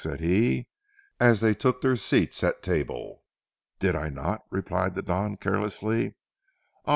said he, as they took their seats at table. "Did I not?" replied the Don carelessly. "Ah!